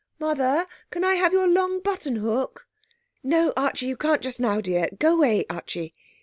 'Mother, can I have your long buttonhook?' 'No, Archie, you can't just now, dear.... Go away Archie....